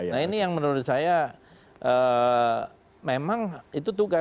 nah ini yang menurut saya memang itu tugas